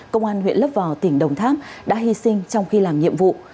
công an huyện lấp vò tỉnh đồng tháp đã hy sinh trong khi làm nhiệm vụ